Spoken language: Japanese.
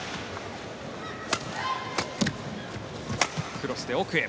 クロスで奥へ。